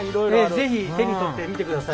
是非手に取って見てください。